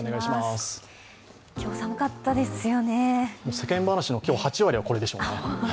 世間話の８割はこれでしょうね。